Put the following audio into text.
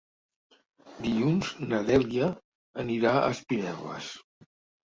Dilluns na Dèlia anirà a Espinelves.